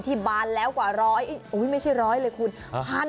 บานแล้วกว่าร้อยไม่ใช่ร้อยเลยคุณ